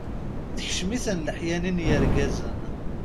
Tekcem-iten leḥya-nni n yirgazen.